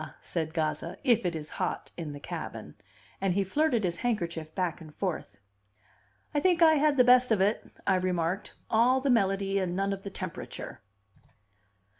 said Gazza. "If it is hot in the cabin!" And he flirted his handkerchief back and forth. "I think I had the best of it," I remarked. "All the melody and none of the temperature."